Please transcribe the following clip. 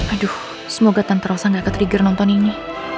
aduh semoga tanterosa gak ketrigger nonton ini